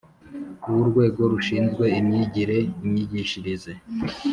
W urwego rushinzwe imyigire imyigishirize